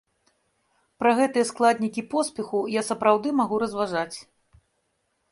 Пра гэтыя складнікі поспеху я сапраўды магу разважаць.